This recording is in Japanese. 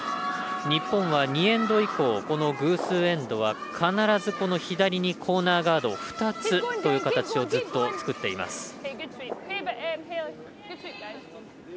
日本は２エンド以降この偶数エンドは必ず左にコーナーガードを２つという形をずっと作っています。